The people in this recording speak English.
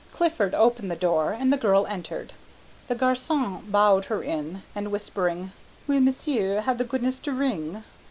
Clifford opened the door and the girl entered. The garçon bowed her in, and whispering, "Will Monsieur have the goodness to ring?"